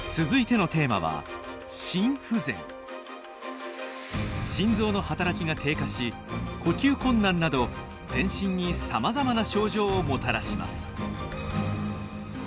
続いてのテーマは心臓の働きが低下し呼吸困難など全身にさまざまな症状をもたらします。